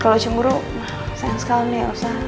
kalau cemburu mah sayang sekali nih ya usah